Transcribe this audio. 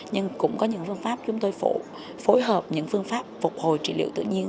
nhưng cũng có những phương pháp chúng tôi phối hợp những phương pháp phục hồi trị liệu tự nhiên